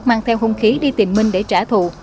mang theo hung khí đi tìm minh để trả thù